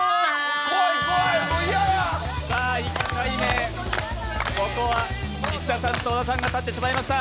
１回目は、石田さんと小田さんが立ってしまいました。